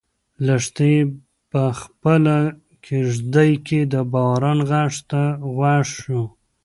لښتې په خپله کيږدۍ کې د باران غږ ته غوږ شو.